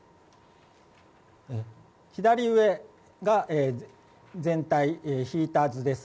左上が全体、引いた図です。